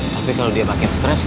tapi kalau dia makin stress